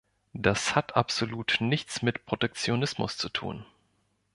Das hat absolut nichts mit Protektionismus zu tun.